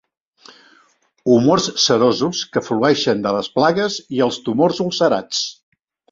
Humors serosos que flueixen de les plagues i els tumors ulcerats.